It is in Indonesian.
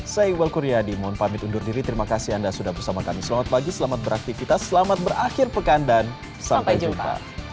saya iqbal kuryadi mohon pamit undur diri terima kasih anda sudah bersama kami selamat pagi selamat beraktivitas selamat berakhir pekan dan sampai jumpa